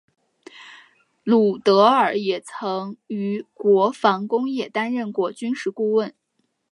鲁德尔也曾于国防工业担任过军事顾问。